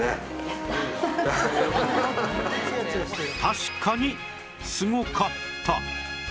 確かにすごかった